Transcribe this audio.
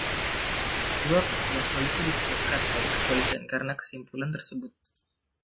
Dua petugas polisi dikeluarkan dari kepolisian karena kesimpulan tersebut.